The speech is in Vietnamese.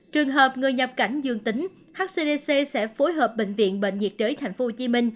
trường hợp người nhập cảnh dương tính hcdc sẽ phối hợp bệnh viện bệnh nhiệt đới tp hcm